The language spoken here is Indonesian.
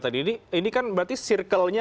tadi ini ini kan berarti sirkelnya